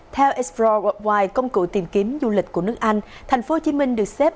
theo explore worldwide công cụ tìm kiếm du lịch của nước anh thành phố hồ chí minh được xếp